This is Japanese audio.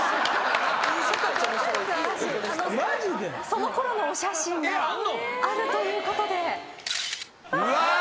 その頃のお写真があるということで。